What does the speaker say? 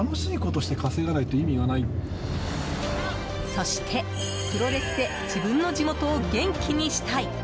そして、プロレスで自分の地元を元気にしたい。